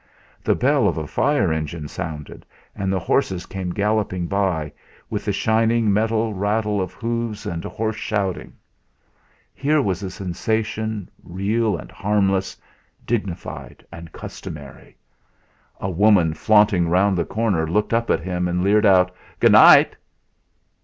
The bell of a fire engine sounded, and the horses came galloping by, with the shining metal, rattle of hoofs and hoarse shouting. Here was a sensation, real and harmless, dignified and customary! A woman flaunting round the corner looked up at him, and leered out: "Good night!"